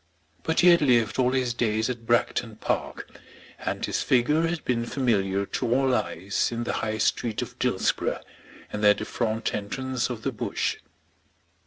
But he had lived all his days at Bragton Park, and his figure had been familiar to all eyes in the High Street of Dillsborough and at the front entrance of the Bush.